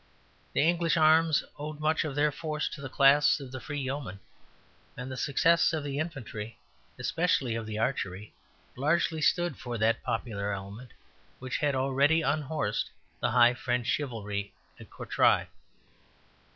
The English arms owed much of their force to the class of the free yeomen; and the success of the infantry, especially of the archery, largely stood for that popular element which had already unhorsed the high French chivalry at Courtrai.